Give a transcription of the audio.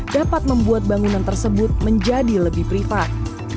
dapat membuat bangunan tersebut menjadi lebih privat